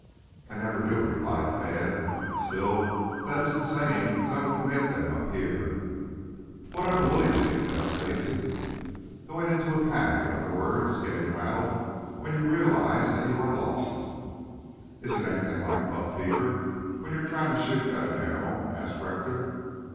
"I never do," replied Tad. "Still, that isn't saying that I wouldn't get them up here." "What are the willyjigs?" asked Stacy. "Going into a panic; in other words, getting rattled when you realize that you are lost." "Is it anything like buck fever when you are trying to shoot at an animal?" asked Rector.